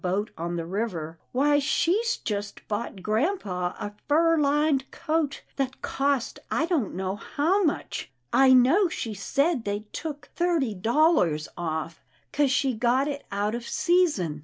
boat on the river, " why she's just bought grampa a fur lined coat that cost I don't know how much — I know she said they took thirty dollars off, 'cause she got it out of season.